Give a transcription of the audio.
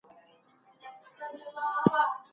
آیا الله خپل حق بخښي؟